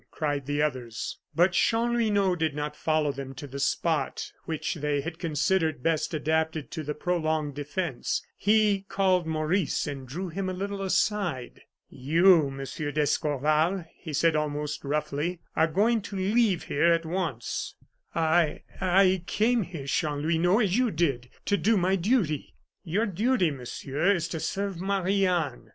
cried the others. But Chanlouineau did not follow them to the spot which they had considered best adapted to the prolonged defence; he called Maurice and drew him a little aside. "You, Monsieur d'Escorval," he said, almost roughly, "are going to leave here and at once." "I I came here, Chanlouineau, as you did, to do my duty." "Your duty, Monsieur, is to serve Marie Anne.